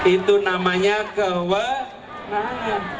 itu namanya kewenangan